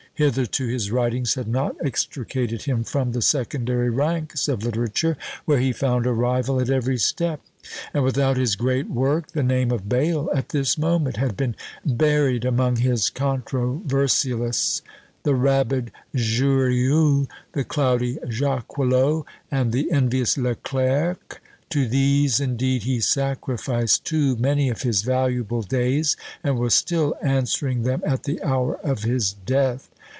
Hitherto his writings had not extricated him from the secondary ranks of literature, where he found a rival at every step; and without his great work, the name of Bayle at this moment had been buried among his controversialists, the rabid Jurieu, the cloudy Jacquelot, and the envious Le Clerc; to these, indeed, he sacrificed too many of his valuable days, and was still answering them at the hour of his death.